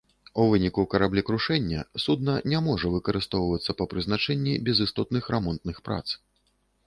У выніку караблекрушэння судна не можа выкарыстоўвацца па прызначэнні без істотных рамонтных прац.